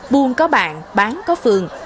buôn có bạn bán có phương